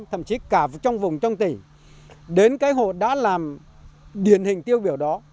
thậm chí cả trong vùng trong tỉnh đến cái hộ đã làm điển hình tiêu biểu đó